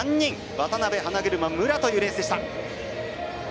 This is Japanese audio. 渡辺、花車、武良というレースでした。